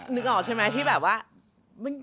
นึกออกชนิดไม่ใช่ม็แบบว่า